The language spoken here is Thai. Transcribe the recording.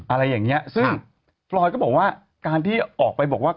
อะไรอย่างเงี้ยซึ่งฟรอยก็บอกว่าการที่ออกไปบอกว่า